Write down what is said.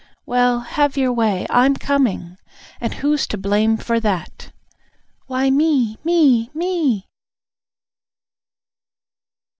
Well, have your way. I'm coming! And who's to blame for that? (Why, me!